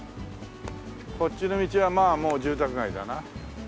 こっちの道はもう住宅街だな。